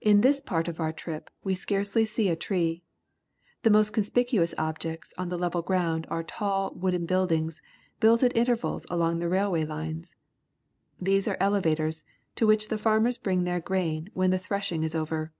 In this part of our trip we see scarcely a tree. The most con spicuous objects on the level ground are tall, wooden buildings, built at intervals along the railway Unes. These are elevators, to which the farmers bring their grain when the thresh ing is over.